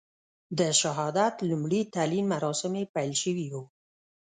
د شهادت لومړي تلین مراسم یې پیل شوي وو.